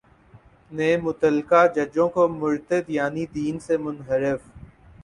نے متعلقہ ججوں کو مرتد یعنی دین سے منحرف